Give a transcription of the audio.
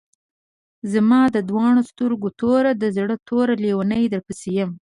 زما د دواڼو سترګو توره، د زړۀ ټوره لېونۍ درپسې يمه